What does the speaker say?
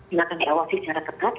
yang akan diawasi secara tepat